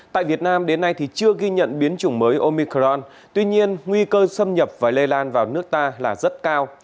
tại việt nam đến nay thì chưa ghi nhận biến chủng mới omicron tuy nhiên nguy cơ xâm nhập và lây lan vào nước ta là rất cao